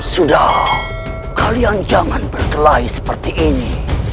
sudah kalian jangan berkelai seperti ini